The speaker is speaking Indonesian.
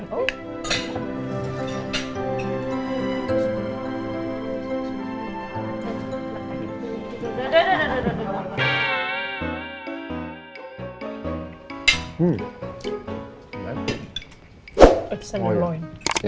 itu adiknya tuh makan